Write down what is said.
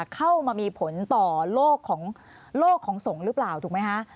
เข้ามามีผลต่อโลกของสงฆ์หรือเปล่าถูกไหมคะ